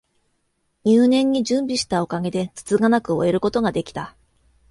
入念に準備したおかげで、つつがなく終えることが出来た